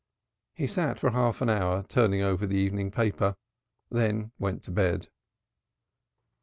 He sat for half an hour turning over the evening paper, then went to bed.